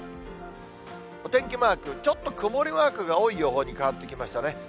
お天気マーク、ちょっと曇りマークが多い予報に変わってきましたね。